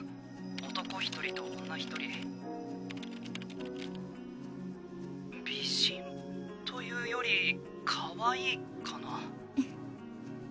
「男１人と女１人」「美人というよりかわいいかな」